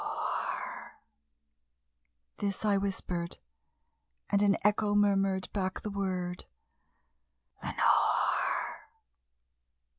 This I whispered, and an echo murmured back the word, "Lenore!"